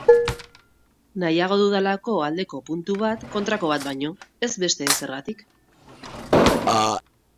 Nahiago dudalako aldeko puntu bat kontrako bat baino, ez beste ezergatik.